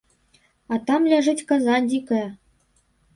А там ляжыць каза дзікая.